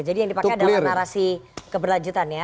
jadi yang dipakai adalah narasi keberlanjutan ya